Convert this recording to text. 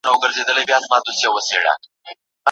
خو د هغې لپاره شتمني د ازادۍ وسیله شوه.